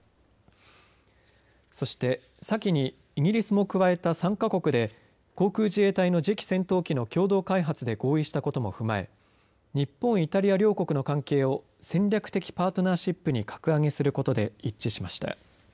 そして先に、イギリスも加えた３か国で航空自衛隊の次期戦闘機の共同開発で合意したことも踏まえ日本、イタリア両国の関係を戦略的パートナーシップに格上げすることで一致しました。